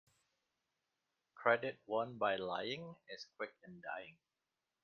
Credit won by lying is quick in dying.